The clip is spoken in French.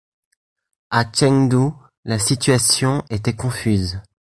À Chengdu, la situation était confuse.